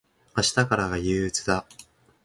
明日からが憂鬱だ。